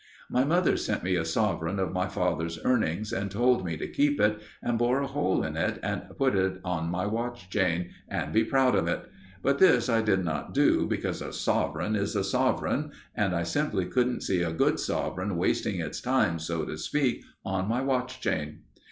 My mother sent me a sovereign of my father's earnings and told me to keep it and bore a hole in it and put it on my watch chain, and be proud of it; but this I did not do, because a sovereign is a sovereign, and I simply couldn't see a good sovereign wasting its time, so to speak, on my watch chain.